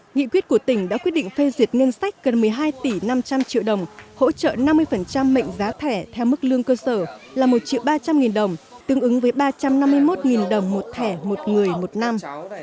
nghị quyết của tỉnh đã quyết định phê duyệt ngân sách gần một mươi hai tỷ năm trăm linh triệu đồng hỗ trợ năm mươi mệnh giá thẻ theo mức lương cơ sở là một triệu ba trăm linh nghìn đồng tương ứng với ba trăm năm mươi một đồng một thẻ một người một năm